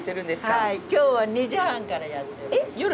はい今日は２時半からやってます。